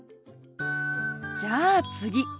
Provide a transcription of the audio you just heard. じゃあ次。